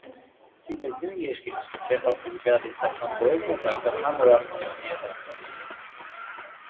«Սիլեզյան երգեր» չեխական ռեալիստական պոեզիան զարգացման նոր աստիճանի է բարձրացրել։